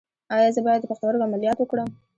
ایا زه باید د پښتورګو عملیات وکړم؟